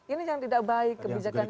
ini yang tidak baik kebijakan kita